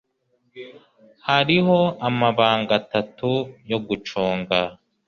hariho amabanga atatu yo gucunga